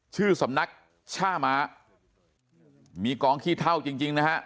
ชื่อสำนักช่าม้ามีกองขี้เท่าจริงจริงนะฮะ